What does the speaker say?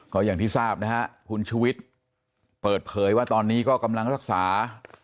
ก็อย่างที่ทราบนะฮะคุณชุวิตเปิดเผยว่าตอนนี้ก็กำลังรักษา